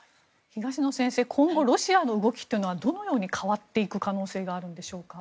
東野先生、今後ロシアの動きというのはどのように変わっていく可能性があるんでしょうか。